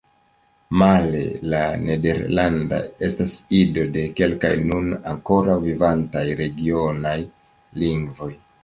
Male, la nederlanda estas ido de kelkaj nun ankoraŭ vivantaj regionaj lingvoj.